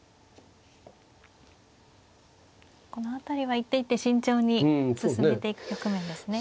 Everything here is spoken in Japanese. この辺りは一手一手慎重に進めていく局面ですね。